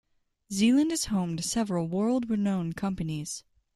Zeeland is home to several world-renowned companies.